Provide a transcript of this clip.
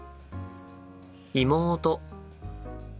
妹。